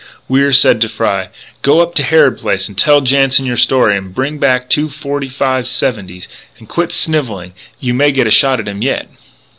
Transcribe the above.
Wier said to Fry: "Go up to Harrod Place and tell Jansen your story and bring back two 45 70's.... And quit snivelling.... You may get a shot at him yet."